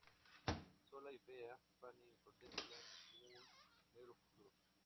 Sola y fea, Fanny contempla un negro futuro.